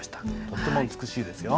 とても美しいですよ。